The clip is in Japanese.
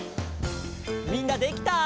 みんなできた？